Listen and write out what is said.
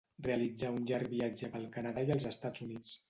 Realitzà un llarg viatge pel Canadà i els Estats Units.